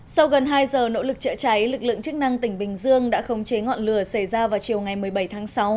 sau gần hai giờ nỗ lực chữa cháy lực lượng chức năng tỉnh bình dương đã khống chế ngọn lửa xảy ra vào chiều ngày một mươi bảy tháng sáu